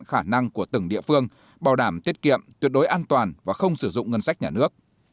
khả năng của từng địa phương bảo đảm tiết kiệm tuyệt đối an toàn và không sử dụng ngân sách nhà nước